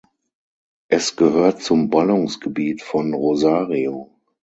Es gehört zum Ballungsgebiet von Rosario.